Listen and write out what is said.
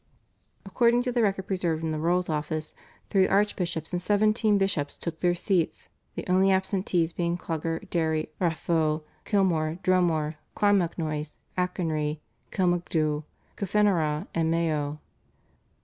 According to the record preserved in the Rolls' Office, three archbishops and seventeen bishops took their seats, the only absentees being Clogher, Derry, Raphoe, Kilmore, Dromore, Clonmacnoise, Achonry, Kilmacduagh, Kilfenora, and Mayo.